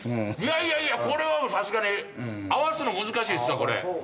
いやいやこれはさすがに合わすの難しいですわこれ。